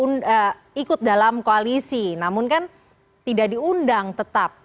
kemudian ikut dalam koalisi namun kan tidak diundang tetap